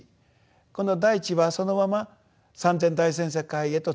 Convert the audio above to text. この大地はそのまま三千大千世界へと通じていく。